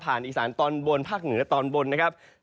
อีสานตอนบนภาคเหนือตอนบนนะครับ